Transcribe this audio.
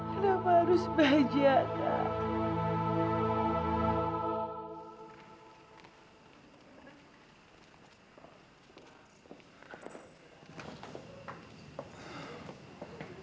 kenapa harus bajem